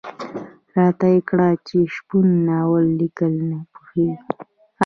راته کړه یې چې شپون ناول ليکل نه پوهېږي.